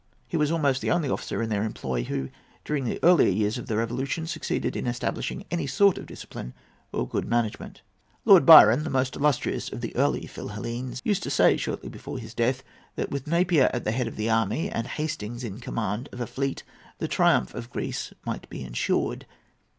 He was almost the only officer in their employ who, during the earlier years of the Revolution, succeeded in establishing any sort of discipline or good management. Lord Byron, the most illustrious of all the early Philhellenes, used to say, shortly before his death, that with Napier at the head of the army and Hastings in command of a fleet the triumph of Greece might be insured.